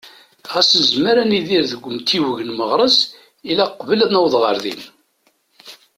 Ɣas nezmer ad nidir deg umtiweg n Meɣres, ilaq qbel ad naweḍ ɣer din.